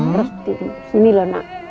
terus di sini loh nak